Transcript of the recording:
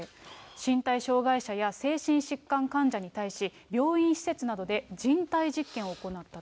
身体障害者や精神疾患患者に対し、病院施設などで人体実験を行ったと。